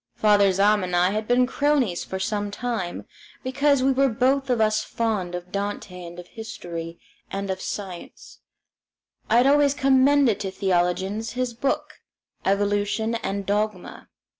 Father Zahm and I had been cronies for some time, because we were both of us fond of Dante and of history and of science I had always commended to theologians his book, "Evolution and Dogma."